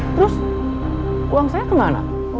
terus uang saya kemana